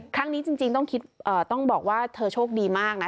ครั้งนี้จริงต้องคิดต้องบอกว่าเธอโชคดีมากนะ